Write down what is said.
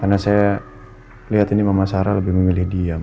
karena saya lihat ini mama sarah lebih memilih diam